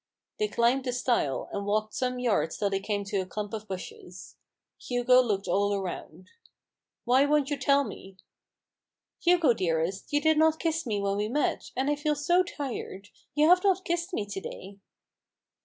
They climbed the stile, and walked some yards till they came to a clump of bushes. Hugo looked all around. " Why won't you tell me ?"" Hugo dearest, you did not kiss me when we met ; and I feel so tired. You have not kissed me to day."